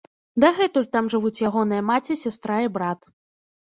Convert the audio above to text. Дагэтуль там жывуць ягоныя маці, сястра і брат.